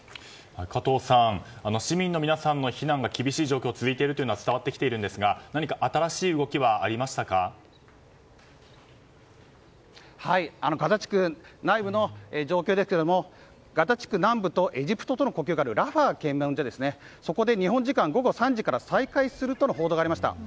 加藤さん、市民の皆さんの避難が厳しい状況が続いているというのは伝わってきているんですがガザ地区内部の状況ですがガザ地区南部とエジプトの間にあるラファ検問所で日本時間午後３時から再開するとの報道がありました。